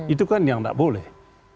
itu kan yang tidak boleh